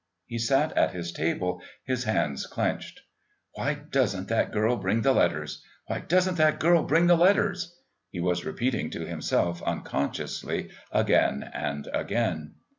He sat at his table, his hands clenched. "Why doesn't that girl bring the letters? Why doesn't that girl bring the letters?" he was repeating to himself unconsciously again and again.